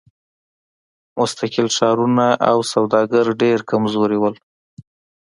مستقل ښارونه او سوداګر ډېر کمزوري وو.